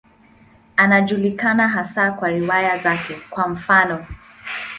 Anajulikana hasa kwa riwaya zake, kwa mfano.